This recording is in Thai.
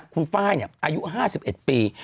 คุณฟ้ายเนี่ยอายุ๕๑ปี